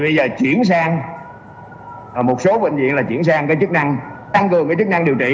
bây giờ chuyển sang một số bệnh viện là chuyển sang chức năng tăng cường chức năng điều trị